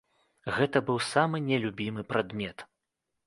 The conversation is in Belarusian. Гэта быў самы нелюбімы прадмет.